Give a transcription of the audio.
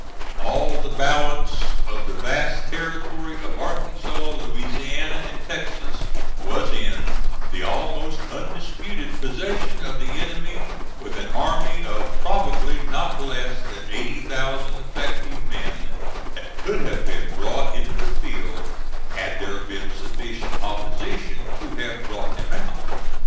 All the balance of the vast territory of Arkansas, Louisiana, and Texas was in the almost undisputed possession of the enemy, with an army of probably not less than eighty thousand effective men, that could have been brought into the field had there been sufficient opposition to have brought them out.